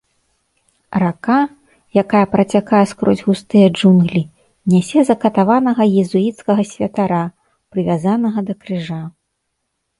Рака, якая працякае скрозь густыя джунглі, нясе закатаванага езуіцкага святара, прывязанага да крыжа.